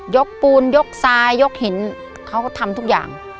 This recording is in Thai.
ปูนยกซ้ายยกหินเขาก็ทำทุกอย่าง